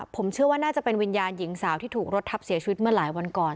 ผมเชื่อว่าน่าจะเป็นวิญญาณหญิงสาวที่ถูกรถทับเสียชีวิตเมื่อหลายวันก่อน